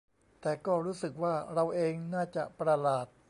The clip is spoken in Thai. แต่ก็รู้สึกว่าเราเองน่าจะประหลาด